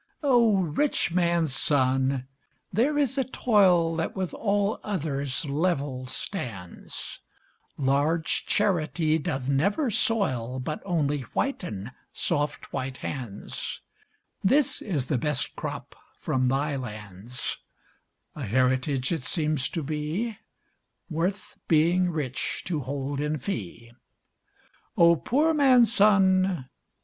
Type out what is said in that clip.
O, rich man's son! there is a toil, That with all others level stands; Large charity doth never soil, But only whiten, soft white hands, This is the best crop from thy lands; A heritage, it seems to be, Worth being rich to hold in fee. O, poor man's son!